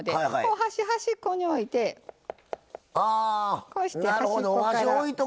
箸、端っこに置いてこうして端っこから。